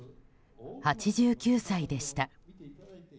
８９歳でした。